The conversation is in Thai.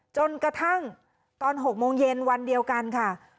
จนกระทั่งตอน๖โมงเย็นวันเดียวกันค่ะ